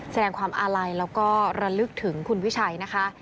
แสดงความอาลัยแล้วก็ระลึกถึงคุณวิชัยนะคะ